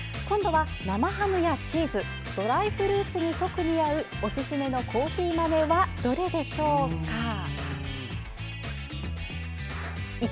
今度は、生ハムやチーズドライフルーツに特に合うおすすめのコーヒー豆はどれでしょうか？